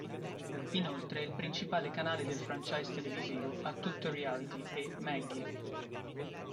Inoltre è il principale canale del franchise televisivo "A tutto reality" e "Maggie".